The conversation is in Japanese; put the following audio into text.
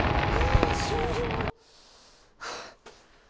あー、終了！